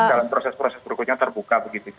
dalam proses proses berikutnya terbuka begitu